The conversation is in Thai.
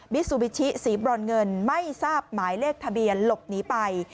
ซูบิชิสีบรอนเงินไม่ทราบหมายเลขทะเบียนหลบหนีไป